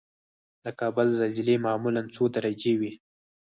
د کابل زلزلې معمولا څو درجې وي؟